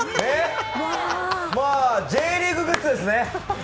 Ｊリーググッズですね。